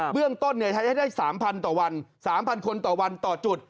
เรื่องต้นใช้ให้ได้๓๐๐ต่อวัน๓๐๐คนต่อวันต่อจุด